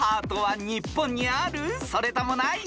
［それともない？